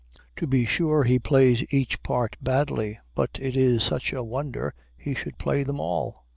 To be sure, he plays each part badly, but it is such a wonder he should play them all!